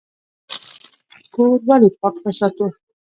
کور ولې پاک وساتو؟